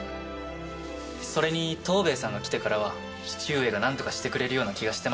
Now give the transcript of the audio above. それに藤兵衛さんが来てからは父上がなんとかしてくれるような気がしてました。